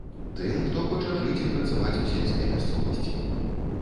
Тым, хто хоча жыць і працаваць у сельскай мясцовасці.